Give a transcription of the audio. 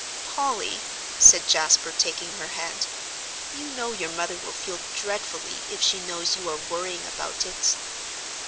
"Polly," said Jasper, taking her hand, "you know your mother will feel dreadfully if she knows you are worrying about it."